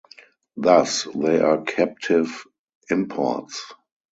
Thus, they are captive imports.